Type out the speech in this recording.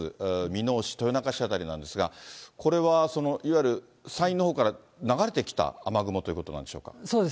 箕面市、豊中市辺りなんですが、これはその、いわゆる、山陰のほうから流れてきた雨雲ということなんでしょうそうです。